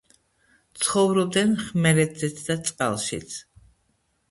ცხოვრობდნენ ხმელეთზეც და წყალშიც.